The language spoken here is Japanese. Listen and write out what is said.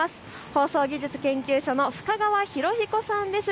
放送技術研究所の深川弘彦さんです。